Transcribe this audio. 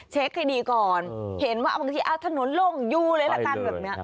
เช็คคดีก่อนเห็นว่าบางทีถนนล่มอยู่เลยละกัน